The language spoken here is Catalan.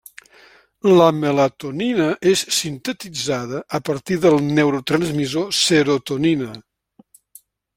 La melatonina és sintetitzada a partir del neurotransmissor serotonina.